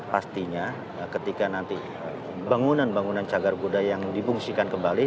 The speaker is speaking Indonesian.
pastinya ketika nanti bangunan bangunan cagar budaya yang dibungsikan kembali